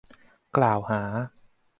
กล่าวหา